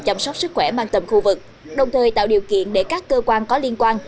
chăm sóc sức khỏe mang tầm khu vực đồng thời tạo điều kiện để các cơ quan có liên quan